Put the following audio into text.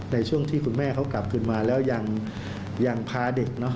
ในช่วงที่คุณแม่เขากลับขึ้นมาแล้วยังพาเด็ก